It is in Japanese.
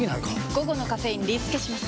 午後のカフェインリスケします！